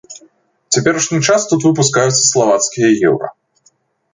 У цяперашні час тут выпускаюцца славацкія еўра.